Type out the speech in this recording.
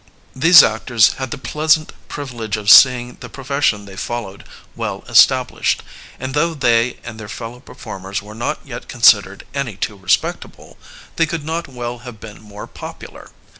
These actors had the pleasant privilege of seeing the profession they followed well established; and, though they and their fellow performers were not yet considered any too respectable, they could not well have been more popular.